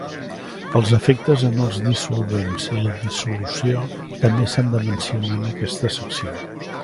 Els efectes en el dissolvents i la dissolució també s"han de mencionar en aquesta secció.